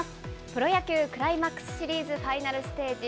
プロ野球、クライマックスシリーズファイナルステージ。